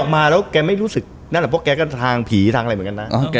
มาแล้วแกไม่รู้สึกนั่นแหละเพราะแกก็ทางผีทางอะไรเหมือนกันนะ